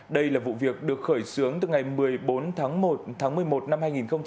đây là vụ việc được khởi xướng từ ngày một mươi bốn tháng một tháng một mươi một năm hai nghìn hai mươi